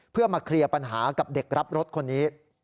เพื่อมาเคลียร์ปัญหากับเด็กรับรถคนนี้